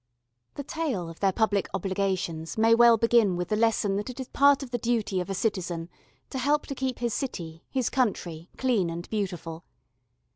The tale of their public obligations may well begin with the lesson that it is part of the duty of a citizen to help to keep his city, his country, clean and beautiful.